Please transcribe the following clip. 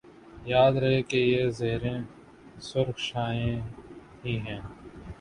یاد رہے کہ یہ زیریں سرخ شعاعیں ہی ہیں